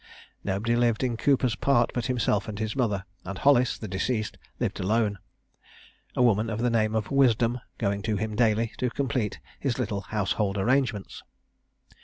Nobody lived in Cooper's part but himself and his mother: and Hollis, the deceased, lived alone; a woman of the name of Wisdom going to him daily to complete his little household arrangements.